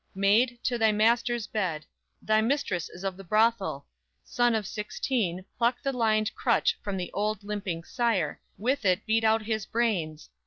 maid, to thy master's bed; Thy mistress is of the brothel! son of sixteen, Pluck the lined crutch from the old, limping sire; With it beat out his brains!